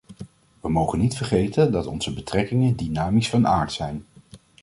We mogen niet vergeten dat onze betrekkingen dynamisch van aard zijn.